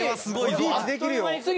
次リーチできるよ。